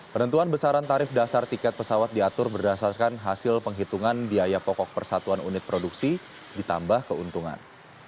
penentuan besaran tarif dasar tiket pesawat diatur berdasarkan hasil penghitungan biaya pokok persatuan unit produksi ditambah keuntungan